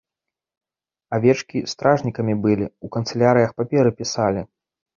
Авечкі стражнікамі былі, у канцылярыях паперы пісалі.